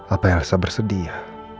apa elsa bersedia